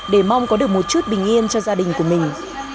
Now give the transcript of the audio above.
để mong có được một chút bình yên cho gia đình của mình